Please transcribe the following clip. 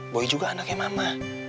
boy juga anaknya mama